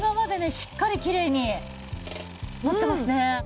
しっかりきれいになってますね。